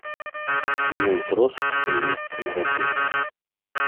Ні ўзрост, ні месца нараджэння.